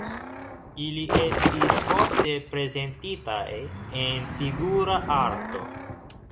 Ili estis ofte prezentitaj en figura arto.